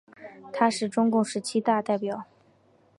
他是中共十七大代表。